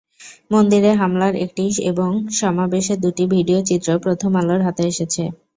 মন্দিরে হামলার একটি এবং সমাবেশের দুটি ভিডিও চিত্র প্রথম আলোর হাতে এসেছে।